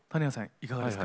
いかがですか？